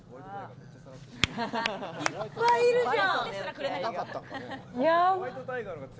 いっぱいいるじゃん！